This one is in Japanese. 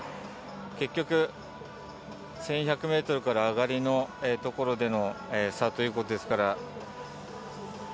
結局、１１００ｍから上がりのところでの差ということですから。